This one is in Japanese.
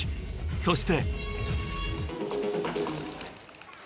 そして］